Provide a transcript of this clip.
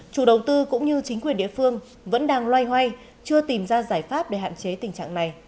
chủ đầu tư cũng như chính quyền địa phương vẫn đang loay hoay chưa tìm ra giải pháp để hạn chế tình trạng này